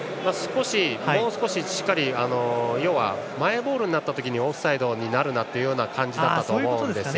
もう少ししっかり要はマイボールになった時にオフサイドになるなというような感じだったと思うんですよ。